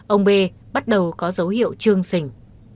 ông b bắt đầu có dấu hiệu trương sỉnh